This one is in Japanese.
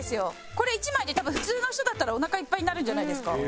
これ１枚で多分普通の人だったらおなかいっぱいになるんじゃないですか？